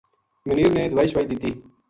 منیر نے دوائی شوائی دِتی